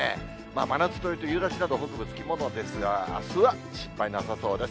真夏というと、夕立など、北部のほう付き物ですが、あすは心配なさそうです。